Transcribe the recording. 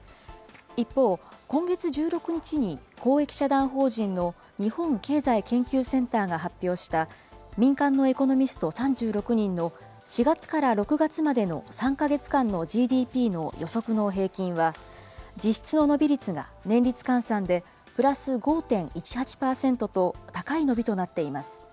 一方、今月１６日に、公益社団法人の日本経済研究センターが発表した、民間のエコノミスト３６人の４月から６月までの３か月間のＧＤＰの予測の平均は、実質の伸び率が年率換算で、プラス５．１８％と高い伸びとなっています。